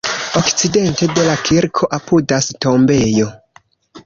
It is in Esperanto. Okcidente de la kirko apudas tombejo.